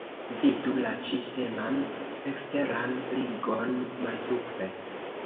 Vidu la ĉi-teman eksteran ligon malsupre.